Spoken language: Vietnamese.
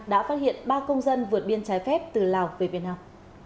đã phát hiện ba công dân vượt biên trái phép từ lào về việt nam